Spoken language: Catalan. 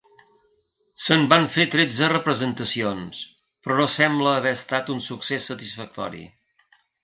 Se'n van fer tretze representacions, però no sembla haver estat un succés satisfactori.